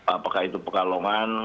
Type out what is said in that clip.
apakah itu pekalongan